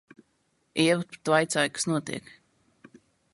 Ieva pat vaicāja, kas notiek.